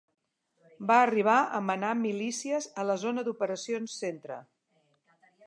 Va arribar a manar milícies a la zona d'operacions centre.